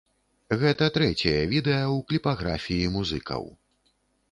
Гэта трэцяе відэа ў кліпаграфіі музыкаў.